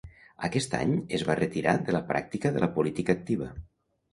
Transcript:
Aquest any es va retirar de la pràctica de la política activa.